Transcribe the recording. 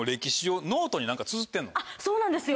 そうなんですよ